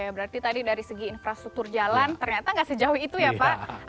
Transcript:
berarti tadi dari segi infrastruktur jalan ternyata tidak sejauh itu ya pak